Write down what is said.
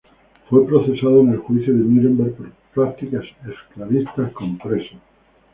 Fue procesado en el Juicio de Núremberg por prácticas esclavistas con presos.